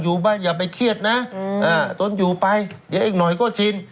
อยู่บ้านอย่าไปเครียดนะตนอยู่ไปเดี๋ยวอีกหน่อยก็ชิน